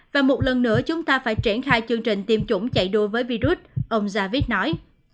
và một lần nữa chúng ta phải triển khai chương trình tiêm chủng chạy đua với virus ông javid nói